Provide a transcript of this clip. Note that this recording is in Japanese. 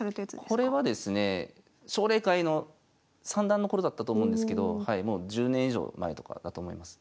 これはですねえ奨励会の三段のころだったと思うんですけどもう１０年以上前とかだと思います。